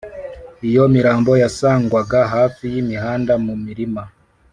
Iyo mirambo yasangwaga hafi y’imihanda, mu mirima